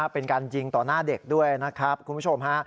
เป็นการยิงต่อหน้าเด็กด้วยนะครับคุณผู้ชมฮะ